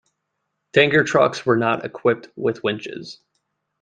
Tanker trucks were not equipped with winches.